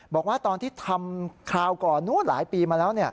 บอกว่าตอนที่ทำคราวก่อนนู้นหลายปีมาแล้ว